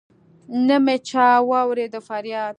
نه مي چا واوريد فرياد